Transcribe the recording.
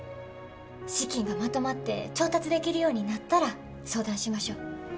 資金がまとまって調達できるようになったら相談しましょう。